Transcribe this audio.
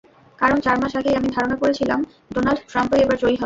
কারণ, চার মাস আগেই আমি ধারণা করেছিলাম, ডোনাল্ড ট্রাম্পই এবার জয়ী হবেন।